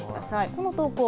この投稿。